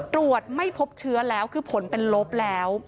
ตรวจไม่พบเชื้อแล้วคือผลเป็นลบแล้ว